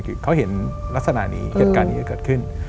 ก็คือเขาเห็นลักษณะนี้เจ็ดการนี้เกิดขึ้น